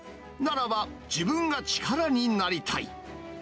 ならば、自分が力になりたい。